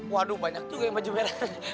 waduh banyak juga yang baju merah